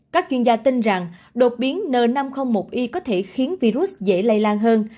các chuyên gia tin rằng đột biến n năm trăm linh một i có thể khiến virus dễ lây lan hơn